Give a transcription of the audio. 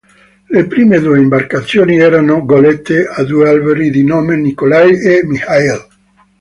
Le prime due imbarcazioni erano golette a due alberi di nome "Nikolai" e "Mikhail".